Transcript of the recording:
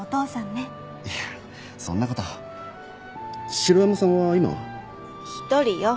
城山さんは今は？独りよ。